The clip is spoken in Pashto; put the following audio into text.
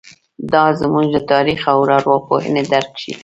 دا زموږ د تاریخ او ارواپوهنې درک ښيي.